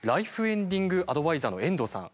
エンディングアドバイザーの遠藤さん。